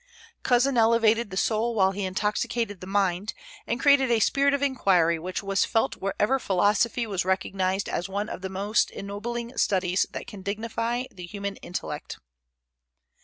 Cousin elevated the soul while he intoxicated the mind, and created a spirit of inquiry which was felt wherever philosophy was recognized as one of the most ennobling studies that can dignify the human intellect.